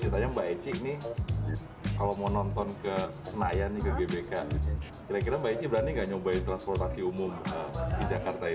ceritanya mbak eci ini kalau mau nonton ke senayan ke gbk kira kira mbak eci berani nggak nyobain transportasi umum di jakarta ini